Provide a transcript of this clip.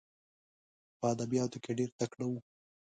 په ادبیاتو کې ډېر تکړه وو.